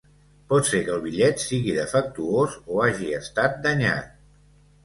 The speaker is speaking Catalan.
Pot ser que el bitllet sigui defectuós, o hagi estat danyat.